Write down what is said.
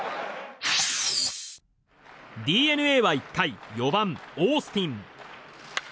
ＤｅＮＡは１回４番、オースティン。